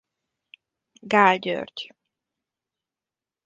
Gaal György.